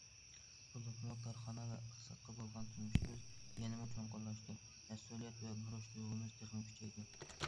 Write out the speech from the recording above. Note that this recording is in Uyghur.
بولۇپمۇ كارخانا ۋە ئىقتىسادقا بولغان تونۇشىمىز يەنىمۇ چوڭقۇرلاشتى، مەسئۇلىيەت ۋە بۇرچ تۇيغۇمىز تېخىمۇ كۈچەيدى.